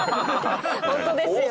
ホントですよ。